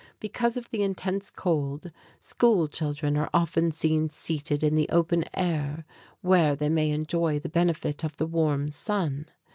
Because of the intense cold, school children are often seen seated in the open air, where they may enjoy the benefit of the warm sun.